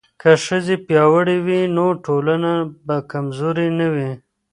که ښځې پیاوړې وي نو ټولنه به کمزورې نه وي.